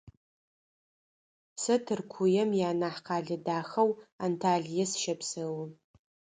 Сэ Тыркуем ианахь къэлэ дахэу Анталие сыщэпсэу.